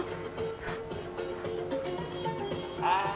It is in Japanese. ああ！